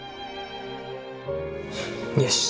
よし！